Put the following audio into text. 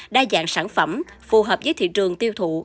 đa dạng sản phẩm phù hợp với thị trường tiêu thụ